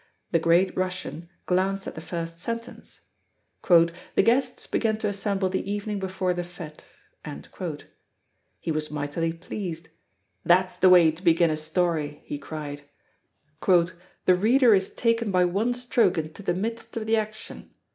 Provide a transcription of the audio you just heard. The great Russian glanced at the first sentence, "The guests began to assemble the evening before the fête." He was mightily pleased. "That's the way to begin a story!" he cried. "The reader is taken by one stroke into the midst of the action.